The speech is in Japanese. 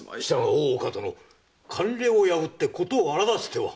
大岡殿慣例を破ってことを荒だてては。